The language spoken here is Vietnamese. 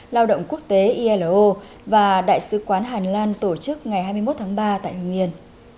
lao động quốc tế ilo và đại sứ quán hàn lan tổ chức ngày hai mươi một tháng ba tại hương yên